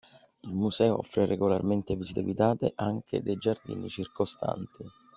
Il museo offre regolarmente visite guidate anche dei giardini circostanti.